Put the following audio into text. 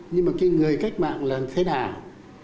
nhưng mà cái người cách mạng là thế nào